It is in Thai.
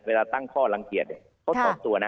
ตั้งข้อลังเกียจเขาถอนตัวนะ